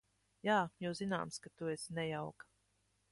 Jā, jo zināms, ka tu esi nejauka.